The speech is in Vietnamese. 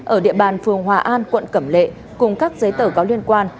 ở địa bàn phường hòa an quận cẩm lệ cùng các giấy tờ có liên quan